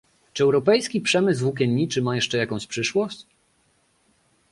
Czy europejski przemysł włókienniczy ma jeszcze jakąś przyszłość?